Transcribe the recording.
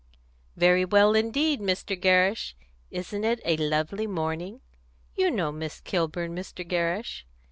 "Very well indeed, Mr. Gerrish. Isn't it a lovely morning? You know Miss Kilburn, Mr. Gerrish."